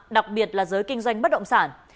đặc biệt là giới kinh doanh bất động sản